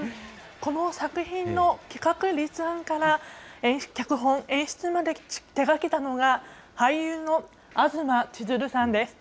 この作品の企画、立案から脚本・演出を手がけたのが俳優の東ちづるさんです。